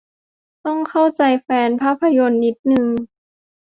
ต้องเข้าใจแฟนภาพยนตร์นิดนึง